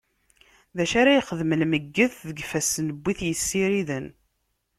D acu ara yexdem lmeyyet deg ifassen n wi t-yessiriden!